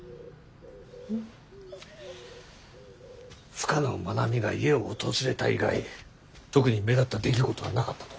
深野愛美が家を訪れた以外特に目立った出来事はなかったと。